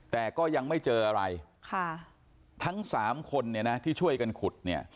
แต่ก็ยังไม่เจออะไรทั้งสามคนที่ช่วยกันขุด